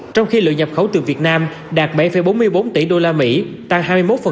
trong khi lựa nhập khẩu từ việt nam đạt bảy bốn mươi bốn tỷ đô la mỹ tăng hai mươi một